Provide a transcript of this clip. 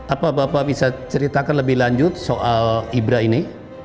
apa bapak bisa ceritakan lebih lanjut soal ibra ini